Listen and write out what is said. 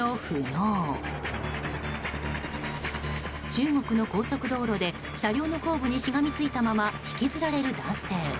中国の高速道路で車両の後部にしがみついたまま引きずられる男性。